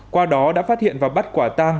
qua đó đã phát hiện và bắt quả tang